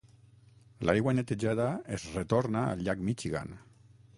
L'aigua netejada es retorna al Llac Michigan.